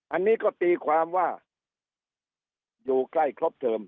อันนี้ก็ตีความว่าอยู่ใกล้ครบเทอม